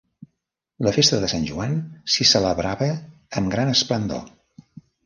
La festa de sant Joan s'hi celebrava amb gran esplendor.